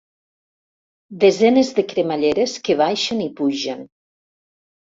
Desenes de cremalleres que baixen i pugen.